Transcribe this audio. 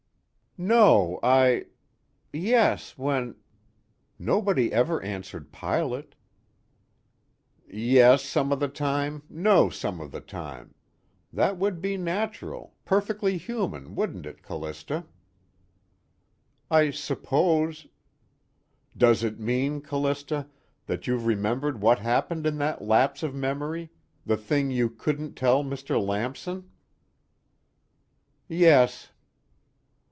"No, I yes, when nobody ever answered Pilate." "Yes some of the time, no some of the time that would be natural, perfectly human, wouldn't it, Callista?" "I suppose...." "Does it mean, Callista, that you've remembered what happened in that lapse of memory the thing you couldn't tell Mr. Lamson?" "Yes."